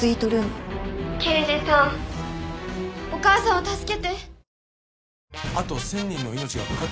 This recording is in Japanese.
刑事さんお母さんを助けて。